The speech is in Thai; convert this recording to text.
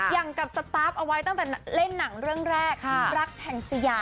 อย่างกับสตาร์ฟเอาไว้ตั้งแต่เล่นหนังเรื่องแรกรักแห่งสยาม